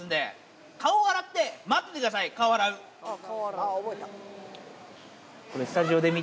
あぁ覚えた。